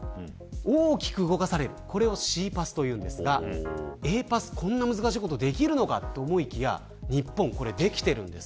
大きく動かされるこれをＣパスと言うんですがＡパス、こんな難しいことできるのかと思いきや日本、これできているんです。